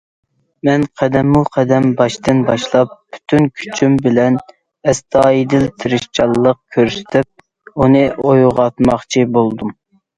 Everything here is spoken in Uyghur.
مەن قەدەممۇ قەدەم باشتىن باشلاپ، پۈتۈن كۈچۈم بىلەن ئەستايىدىل تىرىشچانلىق كۆرسىتىپ، ئۇنى ئويغاتماقچى بولدۇم.